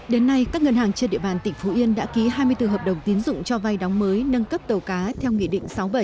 đến nay các ngân hàng trên địa bàn tỉnh phú yên đã ký hai mươi bốn hợp đồng tín dụng cho vay đóng mới nâng cấp tàu cá theo nghị định sáu bảy